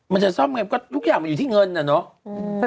มันจะซ่อมไงก็ทุกอย่างมันอยู่ที่เงินน่ะเนอะ